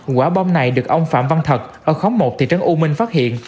quả bom này được ông phạm văn thật ở khóng một thị trấn u minh phát hiện